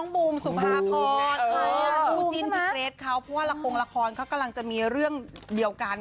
บูมสุภาพรคู่จิ้นพี่เกรทเขาเพราะว่าละครละครเขากำลังจะมีเรื่องเดียวกัน